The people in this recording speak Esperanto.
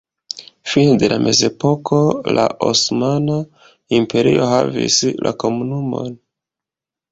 Fine de la mezepoko la Osmana Imperio havis la komunumon.